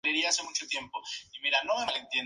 Era un atleta sobresaliente en todos los ejercicios.